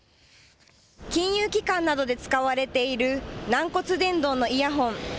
金融機関などで使われている軟骨伝導のイヤホン。